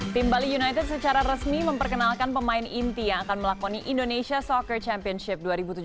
tim bali united secara resmi memperkenalkan pemain inti yang akan melakoni indonesia soccer championship dua ribu tujuh belas